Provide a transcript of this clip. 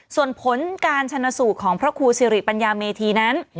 ส่วนผลการชนสูตรของพระครูสิริปัญญาเมธีนั้น